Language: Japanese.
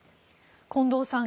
近藤さん